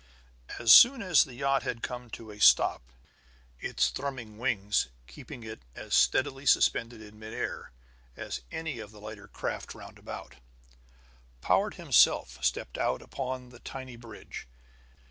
As soon as the yacht had come to a stop its thrumming wings keeping it as steadily suspended in mid air as any of the lighter craft roundabout, Powart himself stepped out upon the tiny bridge.